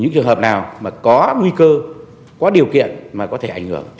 những trường hợp nào mà có nguy cơ có điều kiện mà có thể ảnh hưởng